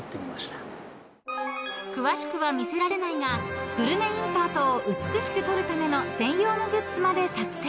［詳しくは見せられないがグルメインサートを美しく撮るための専用のグッズまで作成］